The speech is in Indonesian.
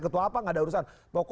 ketua apa nggak ada urusan